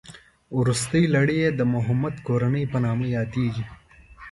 روستۍ لړۍ یې د محمد کورنۍ په نامه یادېږي.